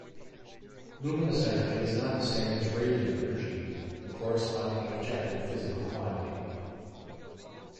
Luminous energy is not the same as radiant energy, the corresponding objective physical quantity.